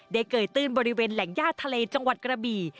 เกยตื้นบริเวณแหล่งย่าทะเลจังหวัดกระบี่